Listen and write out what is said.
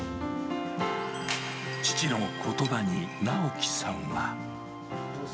父のことばに直樹さんは。